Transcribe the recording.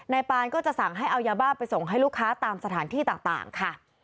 ปานก็จะสั่งให้เอายาบ้าไปส่งให้ลูกค้าตามสถานที่ต่างค่ะ